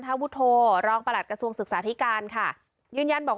วุฒโธรองประหลัดกระทรวงศึกษาธิการค่ะยืนยันบอก